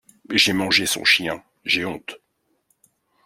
J'ai mangé son chien, j'ai honte.